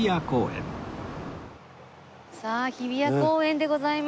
日比谷公園でございます。